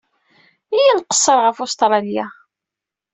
Iyya ad nqeṣṣer ɣef Ustṛalya.